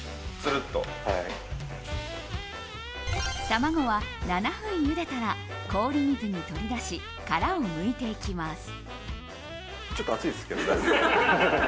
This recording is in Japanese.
卵は７分ゆでたら氷水に取り出し殻をむいていきます。